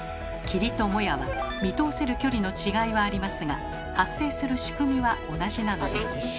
「霧」と「もや」は見通せる距離の違いはありますが発生する仕組みは同じなのです。